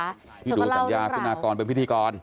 ที่ดูสัญญาคุณากรเป็นพิธีกร